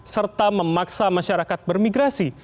serta memaksa masyarakat bermigrasi